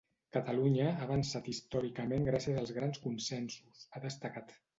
Catalunya ha avançat històricament gràcies als grans consensos, ha destacat.